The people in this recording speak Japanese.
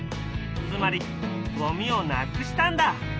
つまりゴミをなくしたんだ！